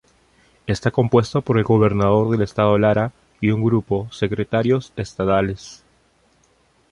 Está compuesto por el Gobernador del Estado Lara y un grupo Secretarios Estadales.